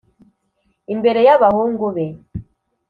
imbere yabahungu be